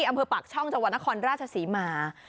อำเภอปากช่องจังหวัดนครราชศรีมา